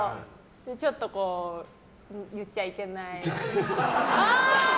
ちょっと、言っちゃいけない。